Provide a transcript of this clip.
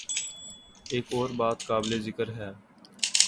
ایک اور بات قابل ذکر ہے۔